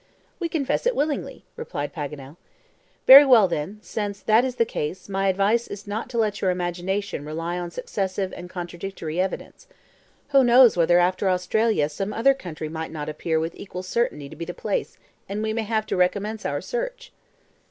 "We confess it willingly," replied Paganel. "Very well, then, since that is the case, my advice is not to let your imagination rely on successive and contradictory evidence. Who knows whether after Australia some other country may not appear with equal certainty to be the place, and we may have to recommence our search?"